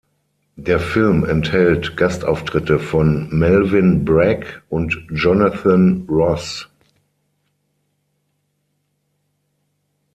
Der Film enthält Gastauftritte von Melvyn Bragg und Jonathan Ross.